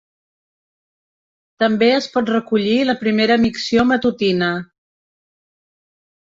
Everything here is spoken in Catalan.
També es pot recollir la primera micció matutina.